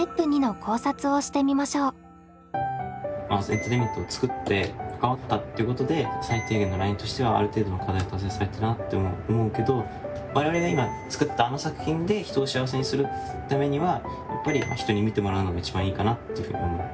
エンターテインメントを作って関わったっていうことで最低限のラインとしてはある程度の課題は達成されたなって思うけど我々が今作ったあの作品で人を幸せにするためにはやっぱり人に見てもらうのが一番いいかなっていうふうに思う。